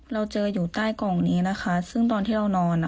เราเจออยู่ใต้กล่องนี้นะคะซึ่งตอนที่เรานอน